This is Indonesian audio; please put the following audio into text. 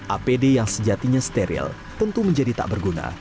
apd yang sejatinya steril tentu menjadi tak berguna